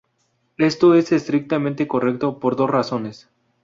Esto es estrictamente correcto por dos razones.